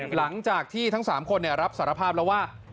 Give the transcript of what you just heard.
หลังจากที่ทั้ง๓คนรับสารภาพแล้วว่า